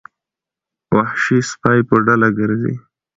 وحشي سپي په ډله ګرځي.